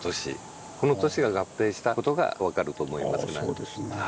あそうですね。